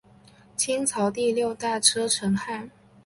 清朝第六代车臣汗。